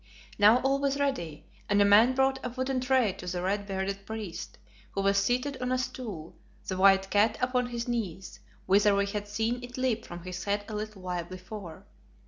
Now all was ready, and a man brought a wooden tray to the red bearded priest, who was seated on a stool, the white cat upon his knees, whither we had seen it leap from his head a little while before.